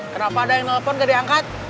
kenapa ada yang nelpon gak diangkat